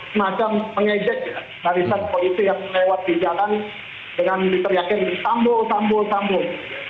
semacam mengejek ya barisan polisi yang melewat di jalan dengan diteriakan sambul sambul sambul